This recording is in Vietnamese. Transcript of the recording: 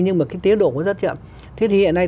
nhưng mà cái tiến độ nó rất chậm thế thì hiện nay